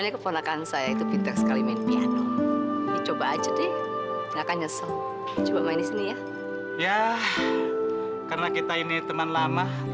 kalian berdua gak salah